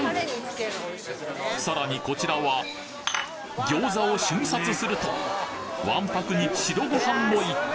さらにこちらは餃子を瞬殺するとわんぱくに白ご飯もいった！